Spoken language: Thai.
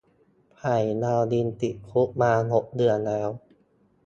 ไผ่ดาวดิน ติดคุกมาหกเดือนแล้ว